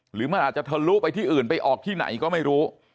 หรือมันอาจจะทะลุไปที่อื่นไปออกที่ไหนก็ไม่รู้